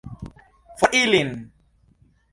For ilin!